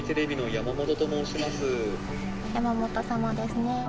山本様ですね。